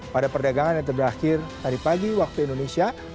pada perdagangan yang terakhir tadi pagi waktu indonesia